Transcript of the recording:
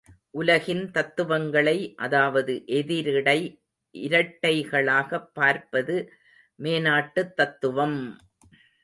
உலகின் தத்துவங்களை அதாவது எதிரிடை இரட்டைகளாகப் பார்ப்பது மேனாட்டுத் தத்துவம்!